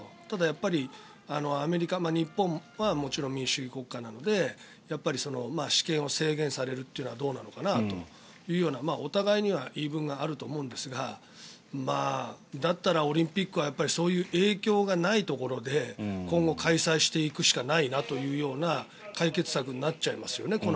ただ、やっぱりアメリカ、日本はもちろん民主主義国家なのでやっぱり私権を制限されるというのはどうなのかなというようなお互いには言い分があると思うんですがだったらオリンピックはそういう影響がないところで今後、開催していくしかないなというような解決策になっちゃいますよね。